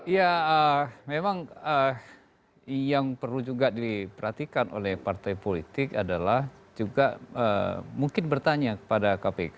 ya memang yang perlu juga diperhatikan oleh partai politik adalah juga mungkin bertanya kepada kpk